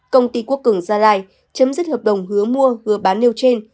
công ty quốc cường gia lai chấm dứt hợp đồng hứa mua hứa bán nêu trên